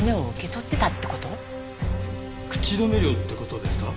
口止め料って事ですか？